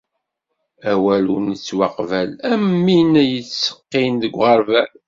Awal ur nettwaqbal, am win yettseqqin deg uɣerbal.